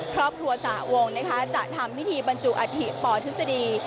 ครอบครัวสาวงศ์จะทำพิธีบรรจุอาธิปทศดีย์